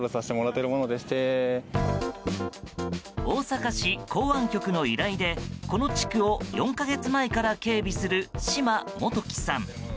大阪市港湾局の依頼でこの地区を４か月前から警備する島元輝さん。